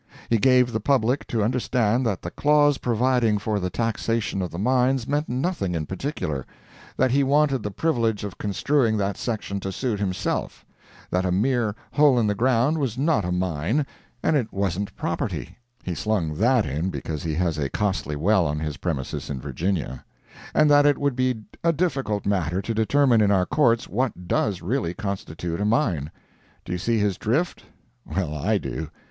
He gave the public to understand that the clause providing for the taxation of the mines meant nothing in particular; that he wanted the privilege of construing that section to suit himself; that a mere hole in the ground was not a mine, and it wasn't property (he slung that in because he has a costly well on his premises in Virginia); and that it would be a difficult matter to determine in our courts what does really constitute a mine. Do you see his drift? Well, I do.